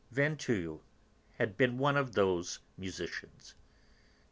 Vinteuil had been one of those musicians.